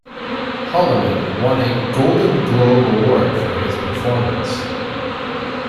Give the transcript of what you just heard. Holliman won a Golden Globe Award for his performance.